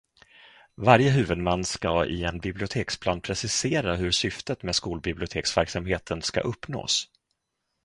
Varje huvudman ska i en biblioteksplan precisera hur syftet med skolbiblioteksverksamheten ska uppnås.